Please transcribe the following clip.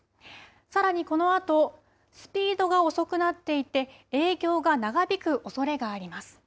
さらにこのあと、スピードが遅くなっていって、影響が長引くおそれがあります。